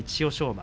馬。